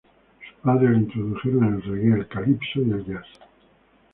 Sus padres la introdujeron en el "reggae", el calipso y el jazz.